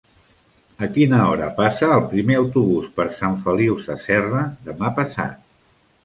A quina hora passa el primer autobús per Sant Feliu Sasserra demà passat?